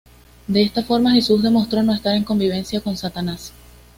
De esta forma, Jesús demostró no estar en convivencia con Satanás.